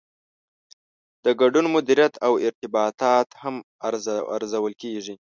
د ګډون مدیریت او ارتباطات هم ارزول کیږي.